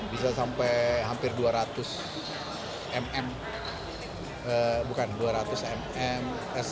bisa sampai hampir dua ratus mm